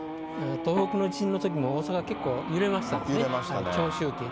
東北の地震のときも大阪は結構揺れましたからね、長周期。